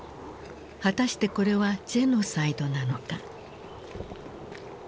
果たしてこれはジェノサイドなのか。